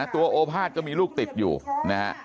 ตัวโอภาษณ์ก็มีลูกติดอยู่นะ